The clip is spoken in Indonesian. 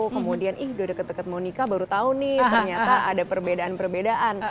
kemudian ih udah deket deket monica baru tahu nih ternyata ada perbedaan perbedaan